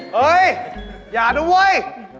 เฮ่ยอย่านะเว้ย